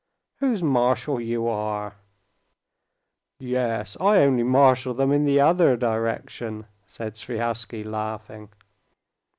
"Whose marshal you are." "Yes, only I marshal them in the other direction," said Sviazhsky, laughing.